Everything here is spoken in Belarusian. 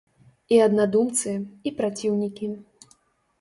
І аднадумцы, і праціўнікі.